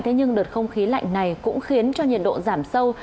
thế nhưng đợt không khí lạnh này cũng khiến cho nhiệt độ giảm sâu